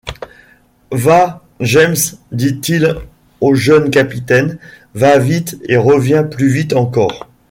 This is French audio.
Va, James, dit-il au jeune capitaine, va vite, et reviens plus vite encore.